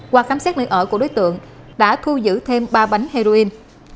qua khám xét nguyên ở của đối tượng đã thu giữ thêm ba bánh heroin